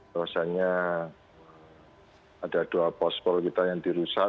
bahwasannya ada dua pospol kita yang dirusak